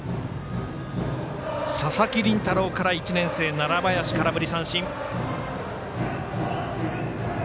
佐々木麟太郎から１年生、楢林、空振り三振。